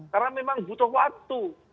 karena memang butuh waktu